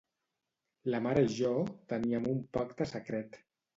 La mare i jo teníem un pacte secret.